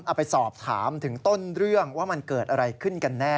เอาไปสอบถามถึงต้นเรื่องว่ามันเกิดอะไรขึ้นกันแน่